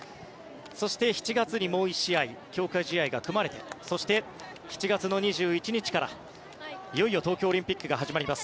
そして７月にもう１試合強化試合が組まれてそして、７月２１日からいよいよ東京オリンピックが始まります。